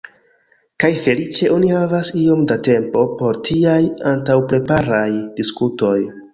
Kaj feliĉe oni havas iom da tempo por tiaj antaŭpreparaj diskutoj.